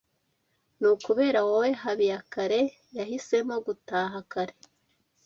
Ni ukubera wowe Habiyakare yahisemo gutaha kare.